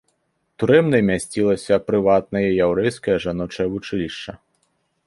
Турэмнай мясцілася прыватнае яўрэйскае жаночае вучылішча.